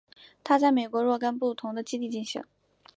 它在美国若干不同的基地进行。